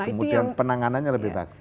kemudian penanganannya lebih bagus